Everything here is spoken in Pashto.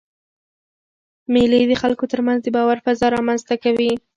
مېلې د خلکو تر منځ د باور فضا رامنځ ته کوي.